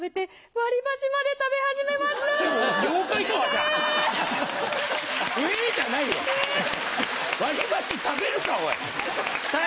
割り箸食べるかおい！